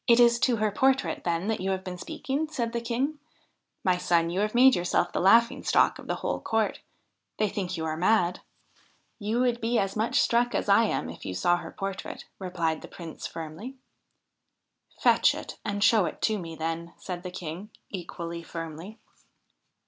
' It is to her portrait, then, that you have been speaking ?' said the King. ' My son, you have made yourself the laughing stock of the whole court. They think you are mad.' ' You would be as much struck as I am if you saw her portrait,' replied the Prince firmly. ' Fetch it and show it to me, then,' said the King, equally firmly.